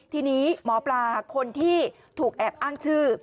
ทีนี้หมอปลาคนที่ถูกแอบอ้างชื่อ